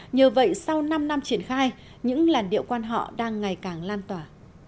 nhờ vậy sau năm năm triển khai những làn điệu quan họ đang ngày càng lan tỏa